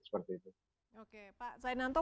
seperti itu oke pak zainanto